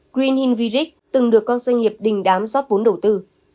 green hill village từng được các doanh nghiệp đình đám rót vốn đầu tư